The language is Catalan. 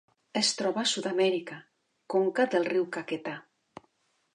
Es troba a Sud-amèrica: conca del riu Caquetá.